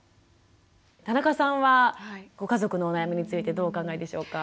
田中さんはご家族のお悩みについてどうお考えでしょうか？